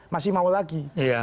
masih mau lagi